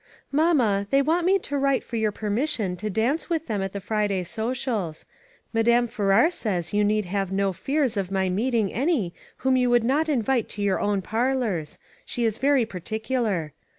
" Mamma, they want me to write for your permission to dance with them at the Friday socials. Madame Farrar says you need have no fears of my meeting any whom you would not invite to your own parlors ; she is very particular.